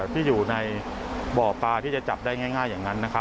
ที่อยู่ในบ่อปลาที่จะจับได้ง่ายอย่างนั้นนะครับ